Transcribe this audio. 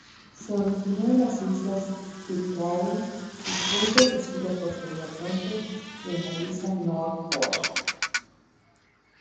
Se originó en las Islas Pitcairn y fue introducido posteriormente en la Isla Norfolk.